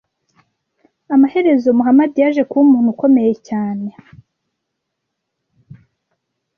Amaherezo Muhamadi yaje kuba umuntu ukomeye cyane